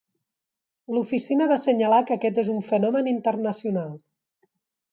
L'oficina va assenyalar que aquest és un fenomen internacional.